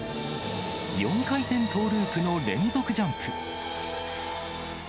４回転トーループの連続ジャンプ。